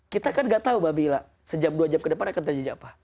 kita kan gak tahu mbak bila sejam dua jam ke depan akan tanya apa